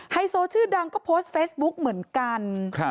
โซชื่อดังก็โพสต์เฟซบุ๊กเหมือนกัน